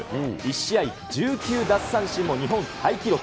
１試合１９奪三振も日本タイ記録。